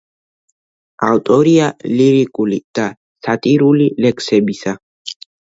ავტორია ლირიკული და სატირული ლექსებისა.